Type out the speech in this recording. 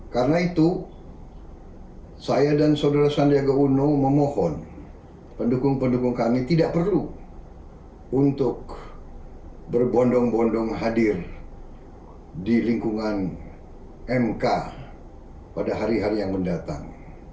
karena itu saya dan saudara sandiaga uno memohon pendukung pendukung kami tidak perlu untuk berbondong bondong hadir di lingkungan mk pada hari hari yang mendatang